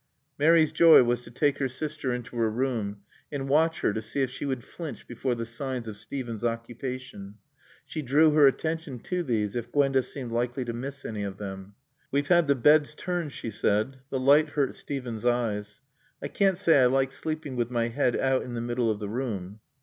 Mary's joy was to take her sister into her room and watch her to see if she would flinch before the signs of Steven's occupation. She drew her attention to these if Gwenda seemed likely to miss any of them. "We've had the beds turned," she said. "The light hurt Steven's eyes. I can't say I like sleeping with my head out in the middle of the room."